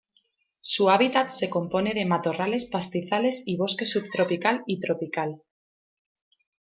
Su hábitat se compone de matorrales, pastizales y bosque subtropical y tropical.